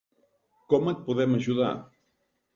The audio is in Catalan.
Com et podem ajudar?